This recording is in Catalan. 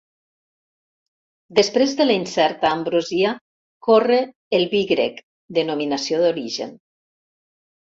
Després de la incerta ambrosia corre el vi grec, denominació d'origen.